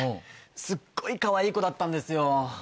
すっごいかわいい子だったんですよ。